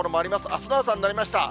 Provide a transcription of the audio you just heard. あすの朝になりました。